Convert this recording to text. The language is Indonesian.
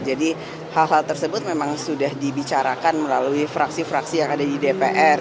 jadi hal hal tersebut memang sudah dibicarakan melalui fraksi fraksi yang ada di dpr